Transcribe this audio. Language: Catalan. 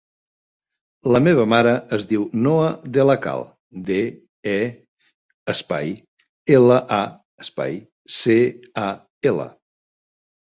La meva mare es diu Noa De La Cal: de, e, espai, ela, a, espai, ce, a, ela.